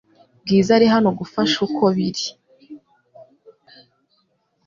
Bwiza ari hano gufasha uko biri